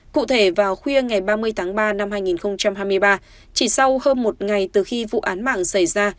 cụ thể vào khuya ngày ba mươi tháng ba năm hai nghìn hai mươi ba chỉ sau hơn một ngày từ khi vụ án mạng xảy ra